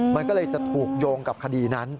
มันก็เลยจะถูกโยงกับคดีนั้น